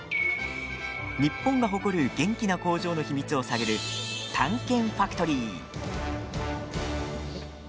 日本が誇る元気な工場の秘密を探る「探検ファクトリー」。